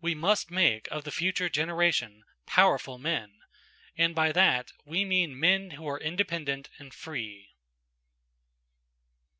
We must make of the future generation, powerful men, and by that we mean men who are independent and free.